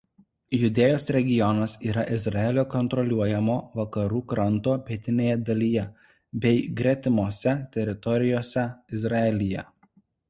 Judėjos regionas yra Izraelio kontroliuojamo Vakarų kranto pietinėje dalyje bei gretimose teritorijose Izraelyje.